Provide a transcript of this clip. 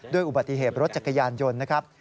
อุบัติเหตุรถจักรยานยนต์นะครับ